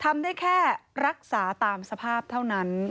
ทำได้แค่รักษาตามสภาพเท่านั้น